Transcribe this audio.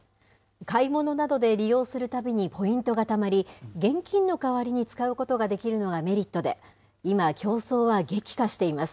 買い物などで利用するたびにポイントがたまり、現金の代わりに使うことができるのがメリットで、今、競争は激化しています。